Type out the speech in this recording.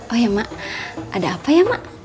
oh ya mak ada apa ya mak